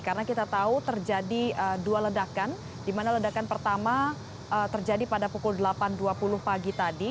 karena kita tahu terjadi dua ledakan di mana ledakan pertama terjadi pada pukul delapan dua puluh pagi tadi